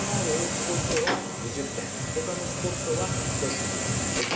スポットは２０点他のスポットは１つにつき１０点獲得。